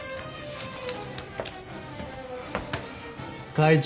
会長。